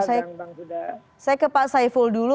saya ke pak saiful dulu